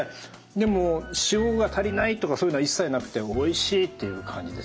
でも塩が足りないとかそういうのは一切なくておいしいっていう感じです。